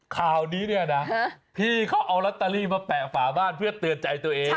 ข่าวนี้เนี่ยนะพี่เขาเอาลอตเตอรี่มาแปะฝาบ้านเพื่อเตือนใจตัวเอง